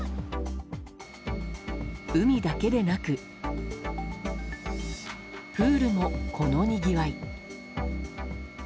海だけでなくプールも、このにぎわい。